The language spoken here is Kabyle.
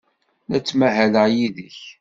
La ttmahaleɣ yid-k.